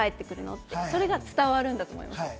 って、それが伝わるんだと思います。